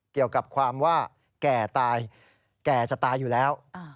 เกี่ยวกับความว่าแก่ตายแก่จะตายอยู่แล้ว